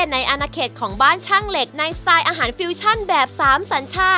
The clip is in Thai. ในอนาเขตของบ้านช่างเหล็กในสไตล์อาหารฟิวชั่นแบบ๓สัญชา